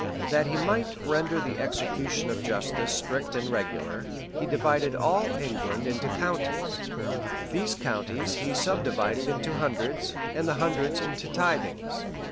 That he might render the execution of justice strict and regular, he divided all England into counties: these counties he subdivided into hundreds, and the hundreds into tithings.